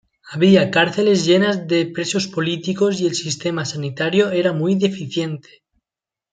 Había cárceles llenas de presos políticos y el sistema sanitario era muy deficiente.